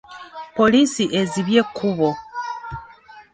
Poliisi ezibye ekkubo.